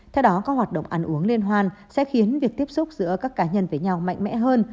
theo đó các hoạt động ăn uống liên hoan sẽ khiến việc tiếp xúc giữa các cá nhân với nhau mạnh mẽ hơn